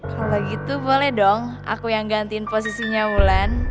kalau gitu boleh dong aku yang gantiin posisinya wulan